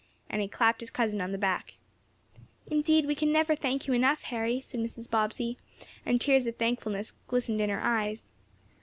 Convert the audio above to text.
and he clapped his cousin on the back. "Indeed we never can thank you enough. Harry," said Mrs. Bobbsey, and tears of thankfulness glistened in her eyes.